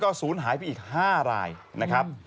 และสูญหายเพียง๕นัท